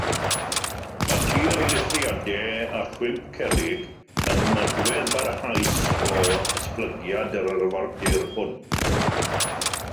Mae tirlithriadau a chwymp cerrig yn nodwedd barhaus o esblygiad yr arfordir hwn.